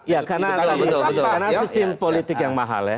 ya karena sistem politik yang mahal ya